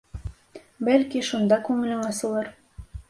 Бәлки, шунда күңелең асылыр.